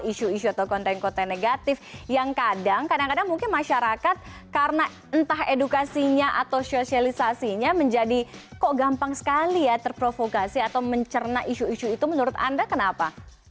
isu isu atau konten konten negatif yang kadang kadang mungkin masyarakat karena entah edukasinya atau sosialisasinya menjadi kok gampang sekali ya terprovokasi atau mencerna isu isu itu menurut anda kenapa